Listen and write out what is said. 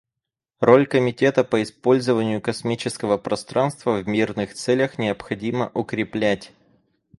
Роль Комитета по использованию космического пространства в мирных целях необходимо укреплять.